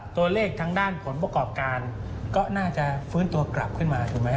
ตัวเลขทางด้านผลประกอบการก็น่าจะฟื้นตัวกลับขึ้นมาถูกไหมฮ